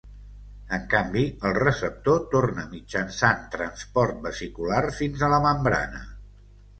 En canvi, el receptor torna mitjançant transport vesicular fins a la membrana.